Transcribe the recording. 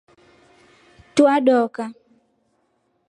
Tua doka.